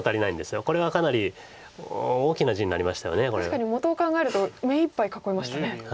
確かに元を考えると目いっぱい囲えましたね。